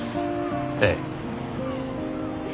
ええ。